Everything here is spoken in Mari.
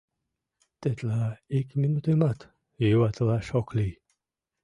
Тетла ик минутымат юватылаш ок лий.